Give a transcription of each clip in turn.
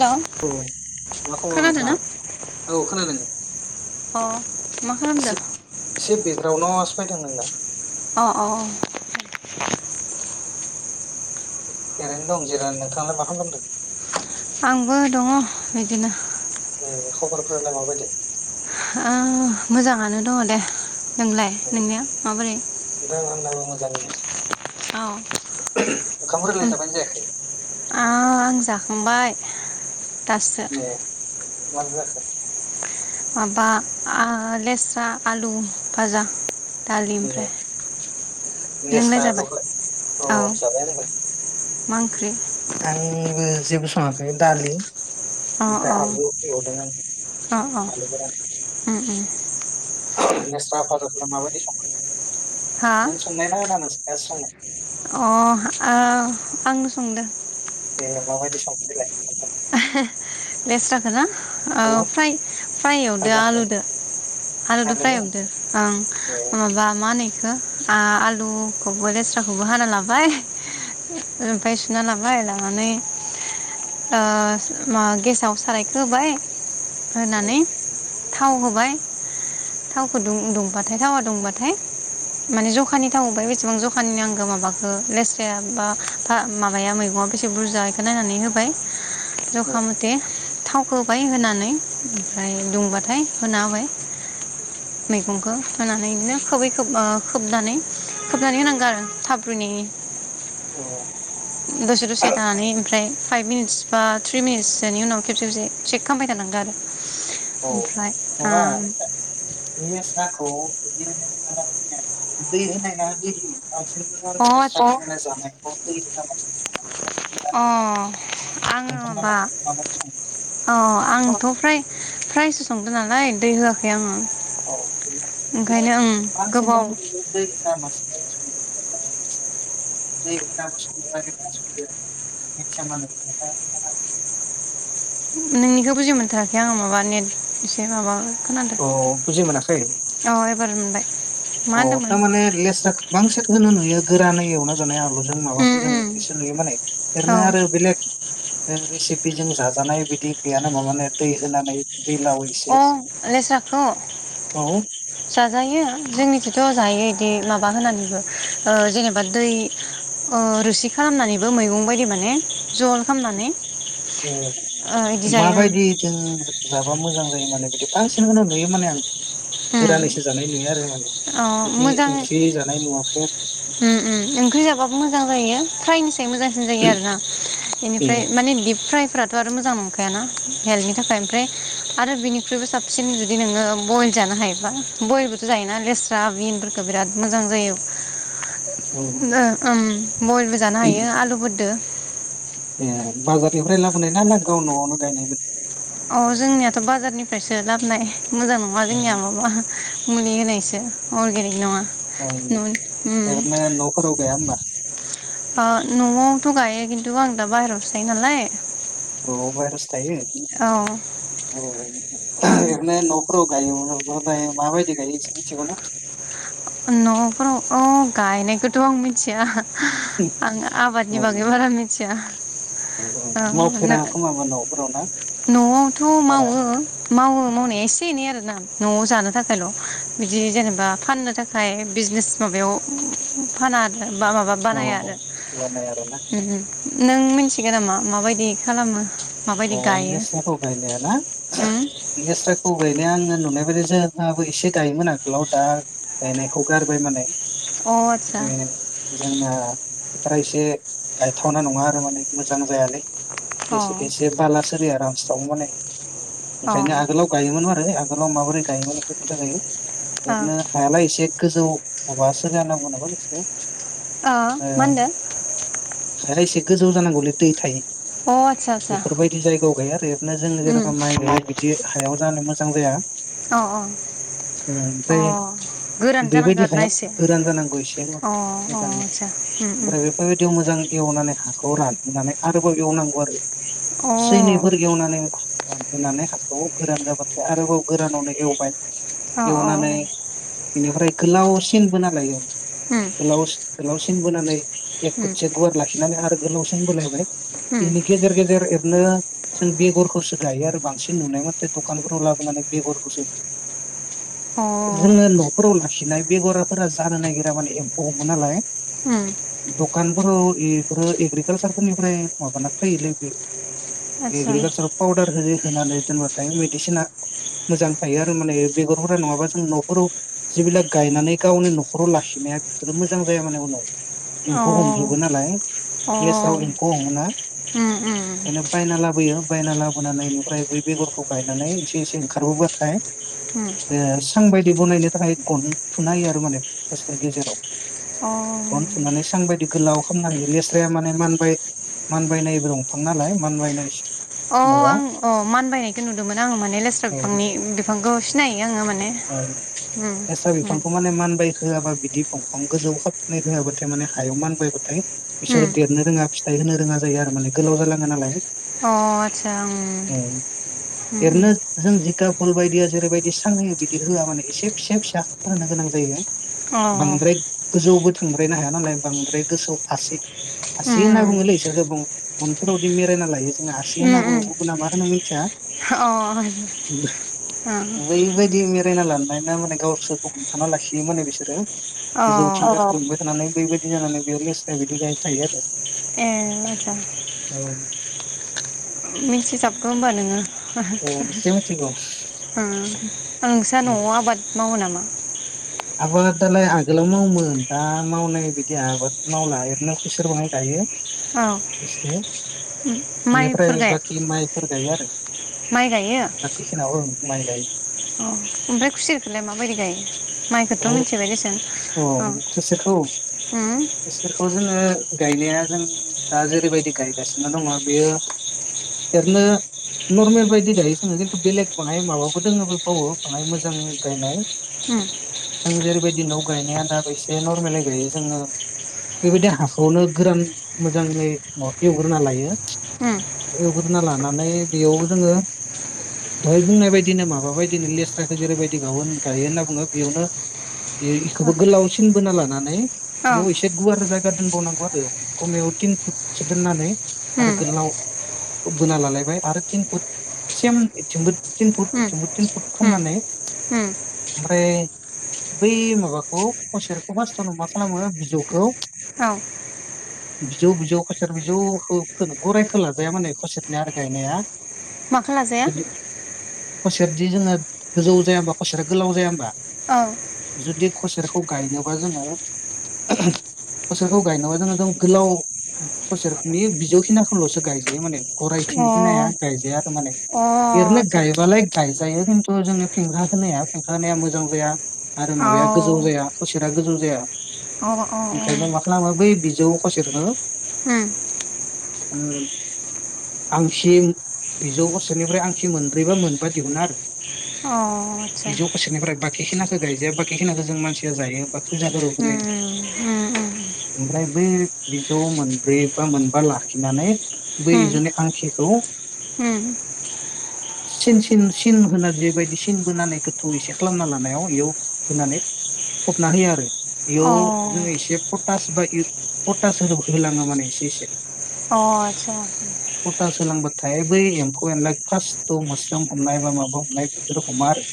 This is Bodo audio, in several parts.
हेल' औ मा खालाम खोनादों ना लांथार औ अ मा खालामदों खोनादोंसे एसे बेकग्राउडआव फाय थांना अ अ ओरैनो दं जिरायनो नोंथाङालाय मा खालाम खालामदों आंबो दङ बिदिनो ए खबरफोरालाय माबाय दे मोजाङानो दङ दे नोंलाय ए नोंनिया माबोरै जायो औ ओंखामफोरालाय जाबायानो जायाखै आं जाखांबाय [unintelligible] दासो ए मा दो जाखो माबा लेस्रा आलु भाजा दालि ए ओमफ्राय नोंलाय लेस्राल'य जाबाय औ होम जाबाय होनबाय मा ओंख्रि आंबो जेबो सङाखै दालि अ अ ओमफ्राय आलु गदों आलु गर ओम ओम नस्राफाज माबायदि संखो हा नों संनाय ना होना नों ए समाय अ आंनो संदो ए माबायदि संदलाय लेस्राखौ ना ओ औ फ्रा फ्रायवदो भाजाखौ आलुदो आलुद आलुजों फ्रायवदो ओं ए माबा मा होनैखौ आलुखौबो लेस्राखौबो हाना लाबाय ओमफ्राय सुना लाबाय लानानै ओ गेसाव सारायख होबाय ओं होनानै थाव होबाय थावखौ दुंबाथाय थावा दुंबाथाय माने जखानि थाव होबाय बेसेबां जखानि नांगौ माबाखौ लेस्राया बा माबाया मैगङा बेसे बुरजा बेखौ नायनानै होबाय औ जखा मथे थावखौ बाय होनानै ओमफ्राय दुंबाथाय होना होबाय मैगंखौ होनानै बिदिनो खोबै खोब ओ खोबनानै खोबनानै होनांगौ आरो थारुनायनि औ दसे दसे थानानै ओमफ्राय फाइभ मिनिटस बा थ्रि मिनिटसोनि उनाव खेबसेबसे चेक खालामामबाय थानांगौ आरो औ ओमफ्राय ओ जा औ बिदि नोंथाङा बुं दै होनाय ना दै होयि आरो [unintelligible] ओमफ्राय जानायखौ [unintelligible] अ आङो नोंथाङा माबा माबायदि सङो अ आंथ' फ्राय फ्रायसो संदों नालाय दै होआखै आङो औ [inaudible] ओंखायनो ओं गोबाव [unintelligible] नोंनिखौ बुजि मोनथाराखै आङो माबा नेट एसे माबा खोनादों अ औ एबार मोनबाय मा औ होनदोंमोन थार माने लेस्रा बांसिन होनो नुयो गोरा नै एवना जानाय आलु जों उम माबाफोरजों उम जों नुयो माने रैनो आरो बेलेग बे रेसिपि जों जाजानाय बिदि गैयाना मा माने दै होनानै दैलाव एसे अ लेस्राखौ औ जाजायो जोंनि ज' जयो बिदि माबा होनानैबो ओ जेनेबा दै रोसि खालामनानैबो मैगं बायदि माने जल खालामनानै ए ओ इदि जायो माबायदि जों जा मोजां जायो माने बिदि बांसिनखौनो नुयो माने आं उम गोरानैसो जानाय नुयो आरो माने अ बिदि मोजाङै ओंख्रि जानाय नुवाखै उम उम ओंख्रि जाबाबो मोजां जायो फ्रायनि साय मोजांसिन जायो आरो आरोना ए बेनिफ्राय माने बिदि फ्राय फ्राराथ' आरो मोजां नंखाय ना हेल्थनि थाखाय ओमफ्राय आरो बिनिख्रुइबो साबसिन जुदि नोङो बइ जानो हायोबा बयलबोथ' जायोना लेस्रा बिनफोरखौ बिराद मोजां जायो। औ ओ उम बयलबो जानो हायो आलुबोदो [inaudible] ए बाजारनिफ्राय लाबोनाय ना ना गाव न'आवनो गायनायमोन। अ जोंनियाथ' बाजारनिफ्रायसो लाबोनाय मोजां नङा जोंनिया माबा मुलि होनायसो अर्गेनिक नङा। औ ओरैनो न'फोराव गाया होमबा [unintelligible] ओ न'आवथ' गायो खिन्थु आं दा बाहेरायावो थायो नालाय औ बाहेरावसो थायो। औ औ ओं ओरैनो न'फोराव गायोबा [unintelligible] फाय माबायदि गायो मिथिगौना न'फोराव औ गायनायखौथ' आं मिथिया आं आबादनि औ बागै बारा मिथिया औ औ मावफेरा खोमाबा न'फोराव ना न'आवथ' बारा मावो मावो मावनाया एसे एनै आरो ना न'आव जानो थाखायल' बिदि जेनेबा फाननो थाखाय बिजनेस माबायाव फाना आ बा माबा औ बानाया आरो बानाय आरोना ओम नों मिनथिगोन नामा माबायदि खालामो माबायदि औ गायो लेस्राखौ गायनायाना उम लेस्राखौ गाय नाया आङो नुनाय बायदि जोंहाबो एसे गायोमोन आगोलाव दा गायनायखौ गारबाय माने अ आतसा ने जोंना फोथार एसे गायथावना नङा आरो माने मोजां जायालै अ से बाला सोरे रानस्राव माने अ ओंखायनो आगोलाव गायोमोन आरो आग गोलाव माबोरै गायोमोन इखो खोनथा जायो ओरैनो ओ हायालाय एसे गोजौ माबा [unintelligible] ओ मा होनदों हाया इसे गोजौ जानांगौलै दै थायो अ आतसा आतसा बेफोरबायदि जायगायाव गाया आरो ओरैनो जों उम जेन'बा माइ गायो बिदि हायाव जानो मोजां जाया अ अ ओम अ ओमफ्राय गोरान जानांगौ बेबायदि आरोना हाया एसे अ गोरान जानांगौ एसे अ मोजां आतसा उम उम ओमफ्राय बेफोरबायदियाव मोजां एवनानै हाखौ रानहोनानै आरोबाव एवनांगौ आरो सैनिफोर गेवनानै रानहोनानै हाखौ गोरान जाबाथाय आरोबाव गोरानावनो एवबाय। अ उम उम अ उम आतसा अ उम एवनानानै। बेनिफ्राय गोलावसिन बोन लायो अ गोलाव गोलावसिन बोनानै एक फुटसे गुवार लाखिनानै आरो गोलावसिन बोलायबाय बिनि। गेजेर गेजेर एरनो जों बेगरखौसो गायो आरो बांसिन नुनाय माथे दखानफोराव लाबोनानै बेगरखौसो जोङो न'फोराव लाखिनाय बेगरफोरा जानो नागिरा माने एम्फौ हमो नालाय दखानफोराव बेफोरो एग्रिकालसार फोरनिफ्राय माबाना। फैयोलै बे। एग्रिकालसाराव पाउडार हो। होनानै दोनबाथाय मेडिसिना मोजां थायो आरो माने बेगरफोरा नङाबा जों न'खराव जिबिलाग गायनानै गावनि न'खराव लाखिनाया बेफोरो मोजां जाया माने उनाव। एम्फौ हमजोबो नालाय लेस्राव एम्फौ हमोना। ओंरोयनो बायना लाबोयो बायना लाबोनानैनिफ्राय बै बेगरखौ गायनानै एसे एसे ओंखारबोबाथाय ओ सां बायदि बनायनो थाखाय गन थुना हायो आरो माने फास्थाव गेजेराव गन थुनानै सां बायदि गोलाव खालामनो हायो लेस्राया माने मानबाय मान। बायनायबो दंफां नालाय मानबायनायस। आं अ मान बायनायखौ नुदोंमोन आं माने लेस्रा औ बिफांनि बिफांखौ। सिनायो आङो माने औ लेस्रा बिफांखौ माने मानबाय होआबा। दि बंफां गोजौ हाबफिनाय होआाथाय माने हायाव मानबायबाथाय। थाय बिसोरो देरनो रोङा फिस थाय होनो रोङा जायो आरो माने गोलाव जालाङो नालाय। औ एरनो जों जिखा कल बायदिया। जेरैबायदि सां बि होआ माने एसे फिसा फिसा होनो गोनां जायो। बांद्राय गोजौबोथां। थांद्रायनो हाया नालाय बांद्राय गोसौ आसि। आसि होनना बुंङोलै इसोरखौ बुं [unintelligible] जों आसि होनना बुङो गुबुना मा होनो मि जा अ बैबायदि मे फायना लानानाया माने गावसो हमथाना लाखियो माने बिसोरो। गोजौथि थांबाय थानानै। बेबायदि जानानै बेयाव लिस्राया बिदि गाय थायो आरो। अ आतचा। औ मिथिजाबगौ होमबा नोङो औ एसे मिथिगौ ओ आं सात न'आव आबाद मावो नामा। [unintelligible] आबो दालाय आगोलाव मावोमोन दा मावनाय बिदि आबाद मावला एरनो खुसे बाङै गायो। औ एसे माइफोर बेनिफ्राय गाया बाखि माइफोर गायो आरो माइ गायो आथिखालाव। माइ गायो। अ ओमफ्राय खुसिरखौलाय माबायदि गायो? माइखौथ' औ मिथिबाय दसां औ अ खुसेरखौ खुसेरखौ जोङो गायनाया जों दा जेरैबायदि गायगासिनो दङ बेयो एरनो नर्मेल बायदि गायो जोङो खिन्थु बेलेग बाय माबाबो दोङोबो बावो बाङाय मोजां गायनाय। उम जों जेरैबायदि न' गायनाया दाब एसे नरमेलै गायो जोङो बेबायदि हाखौआवनो गोरान मोजाङै माबा एवग्रोना लायो उम एवग्रोना लानानै बेयाव जोङो दहाय बुंनाय बदिनो माबा बायदिनो लेस्राखौ जेरैबायदि ग गायो होन्ना बुङो बेयावनो बे औ बेखौबो गोलावसिन बोना लानानै बेयाव एसे गुवार जायगा दोनबावनांगौ आरो खमायाव थिन फुटसो दोननानै आरो उम गोलाव बोना लालायबाय आरो थिन फुट सेमथिंबो थिन उम फुटथिंबो थिन फुट उम खालामनानै उम ओमफ्राय बै माबाखौ खुसेरखौ फार्टावनो मा खालामो बिजौखौ औ बिजौ बिजौ खसेर बिजौ गराइ खोलाजाया मानै खसेरनिया आरो गायनाया माखौ लाजाया खुसेरदि जोङो गोजौ जाया हबा खुसेरा गोलाव जाया होनबा? औ जुदि खसेरखौ खौ गायनोबा जोङो हसेरखौ गायनोबा जोङो गोलाव हसेरनि बिजौखिनाखौल'सो गायजायो माने। अ गरायथिंखि नाया गायजाया आरो माने अ एरनो आदसा गायबालाय गाय जायो खिन्थु जोंनि फेंखा होनायाें होनाया मोजां। जों गैया। आरो माबाया गोजौ जाया खसेरा गोजौ जाया। ओंखायनो मा खालामो बै बिजौ खसा ओम आंख बिजौ गसेनिफ्राय आंसि मोनब्रैबा मोनबा दिहुना आरो। अ आटसा बिजौ खसेरनिफ्राय बाखि गायजाया बाखि खिनाखौ जों मानसिया जायो। फुजाफोराव ओमफ्राय बै बिजौ मोनब्रै बा मोनबा लाखिनानै बै बिजौनि आंखिखौ सिन सिन सिन होना जबायदि सिन बोनानै गोथौ एसे खालामना ला। बेयाव होनानै फबना होयो आरो बेयाव जोङो एसे पटास बा पटास होलाङो माने एसे एसे अ आटसा। खथा सोलांबाथाय बै एम्फौ एनलााय फास्ट' मोस्रोम हमनाय बा माबा हमनाय बेफोर हमा आरो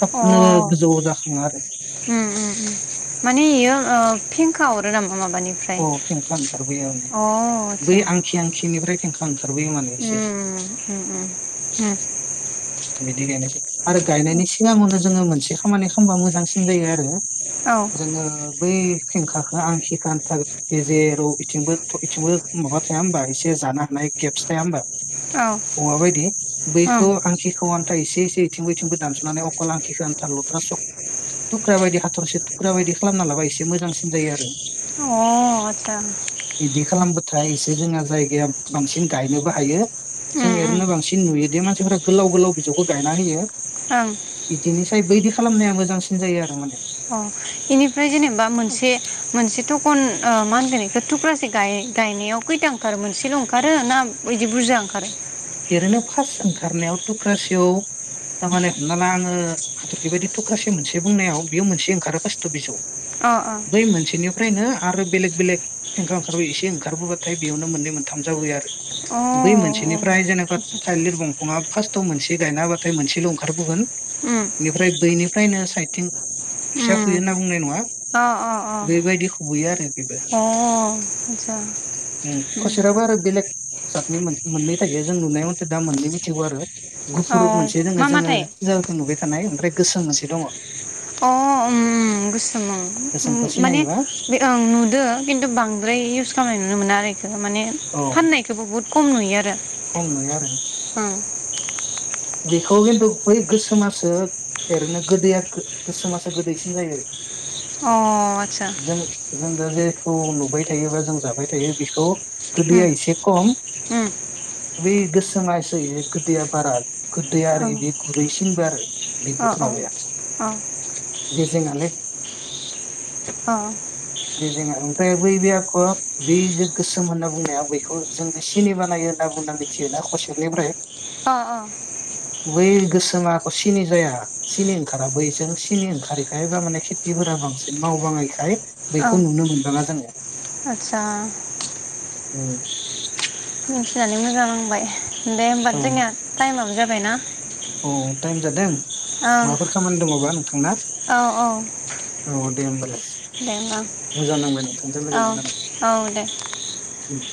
थाबनो। गोजौ जाखाङो आरो। फिंखा हरो नामा? माबानिफ्राय अ फेंखा ओंखारबोयो माने अ बै आचसा आंखि आंखिनिफ्राय फेंखा ओंखारबोयो माने एसे एसे उम उम उम बिदि गायनायसै आरो गायनायनि सिगाङावनो जोङो मोनसे खामानि खालामबा मोजांसिन जायो आरो। औ जोङो बै फेंखाखौ आं हिखथा गेजेराव बिथिंबो इथिंबो माबा थाया होनबा एसे जानो हानाय गेप्स थाया होमबा? औ औवाबायदि बैखौ आं आन्था एसे इसे इथिं बथिं बबो दानस'नानै अखालांखिखौ आन्था लथ्रा सक थुख्रा बायदि हाथरसे थुख्रा बायदि खालामना लाबा इसे मोजांसिन जायो आरो। अ आतसा खालामबोथाय एसे जोंहा जायगाया बांसिन गायनोबो हायो जों उम उम एरैनो बांसिन नुयोदि मानसिफोरा गोलाव गोलाव बिजौखौ गायना होयो। ओं फ्राय बैदि खालामनाया मोजांसिन जायो आरो माने। अ बेनिफ्राय जेनेबा मोनसे मोनसे टकन ओ मा होनगोन एखौ थुख्रासे गाय-गायनायाव खैथा ओंखारो मोनसेल' ओंखारो ना बिदि बुरजा ओंखारो? ओरैनो फार्स्ट ओंखारनायाव थुख्रासेयाव थातामाने हमना ला आङो हाथरखि बायदि थुख्रासे मोनसे बुंनायाव बेयो मोनसे ओंखारो फास्ट' बिजौ। बै मोनसेनिफ्रायनो आरो बेलेग बेलेग खेंख्रा ओंखार बोयो एसे ओंखारबोबाथाय बेयावनो मोननै मोनथाम जाबोयो आरो। अ फ्राय जेन'बा थाइलिर दंफाङा फार्स्टआव मोनसे गायनाबाथाय मोनसेल' ओंखारबोगोन। बेनिफ्राय दैनि फ्रायनो साइथिं फिसा फैयो होनना बुंनाय नङा। अ अ अ बेबायदि खुबैयो आरो बेबो अ आचसा उम सतनि मन्द मोननै थाइजो जों नुनाय मथे दा मोननै मिथिगौ आरो। गुफुर अ' मोनसे जोङो मा जोङो माथाय? जाखौ नुबाय थानाय। मफ्राय गोसोम मोनसे दङ। अ उम गोसोम उम गोसोमखौ माने सिनायोबा बे ओं नुदो खिन्थु बांद्राय इउस खामनाय नुनो मोना आरो माने फाननायखौबो बहुत खम नुयो आरो खमै आरो बेखौ खिन्थु बै गोसोमासो एरैनो गोदैया गोसोमासो गोदैसिन जायो। अ आच्छा औ नुबाय थायोबा जों जाबाय थायो बिखौ गोदैया एसे खम। बे गोसोमासो इयो गोदैय म खथिया बार गोदै आरो बे गुरै थिनबो आरो बेखौ माबाया बे जोंआनो बेजोंआ ओमफ्राय बै बे आख'आ बे जे गोसोम होनना बुंनाया बैखौ जों जे सिनिमा नायो होनना बुंना मिथियोना कसेरनिफ्राय अ अ बेै गो जोंहा एख' सिनि जाया सिनि ओंखारा बैजों सिनि ओंखारैखाय बा माने खेथिफोरा बांसिन मावबाङैखाय बैखौ नुनो मोनबाङा जोङो। आतसा उम मिथिनानै मोजां नांबाय। दे होमबा औ जोंनिया टाइमाबो जा बायना औ टाइम जादों ओं माबाफोर खामानि दङबा नोंथांना औ औ औ दे होनोमबालाय दे होमबा मोजां नांबाय नोंथांजों लोगो औ मोननानै औ दे दे।